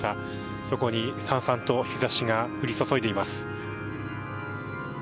そこに、さんさんと日差しが降り注いでいます。